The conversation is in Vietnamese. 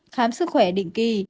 khám sức khỏe định kỳ